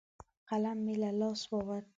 قلم مې له لاسه ووت.